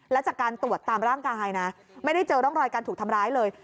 และจากการตรวจตามร่างกายนะไม่ได้เจอร่องรอยการถูกทำร้ายเลย